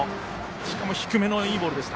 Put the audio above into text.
しかも低めのいいボールでした。